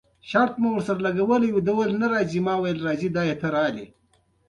هغه کسان چې مطالعه نلري: